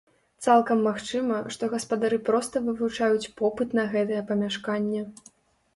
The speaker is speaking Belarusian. Цалкам магчыма, што гаспадары проста вывучаюць попыт на гэтае памяшканне.